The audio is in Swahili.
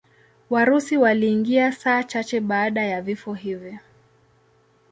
Warusi waliingia saa chache baada ya vifo hivi.